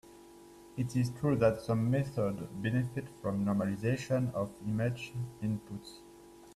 It is true that some methods benefit from normalization of image inputs.